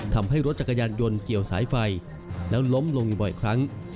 ทำให้รถจักรยานยนต์เกี่ยวสายไฟแล้วล้มลงอยู่บ่อยครั้ง